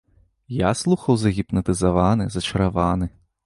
Я слухаў загіпнатызаваны, зачараваны.